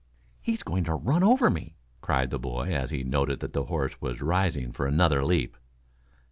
"He's going to run over me," cried the boy, as he noted that the horse was rising for another leap.